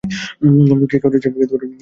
কে করেছে এসব?